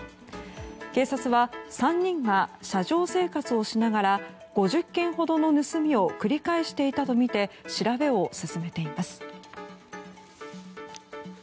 警察は３人が車上生活をしながら５０件ほどの盗みを繰り返していたとみて調べを進めています。